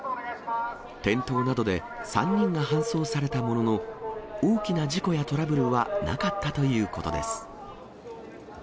転倒などで３人が搬送されたものの、大きな事故やトラブルはなかったということです。